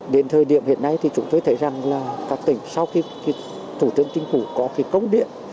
đến thời điểm hiện nay thì chúng tôi thấy rằng là các tỉnh sau khi thủ tướng chính phủ có cái công điện